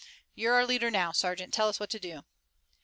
"You're our leader now, sergeant. Tell us what to do."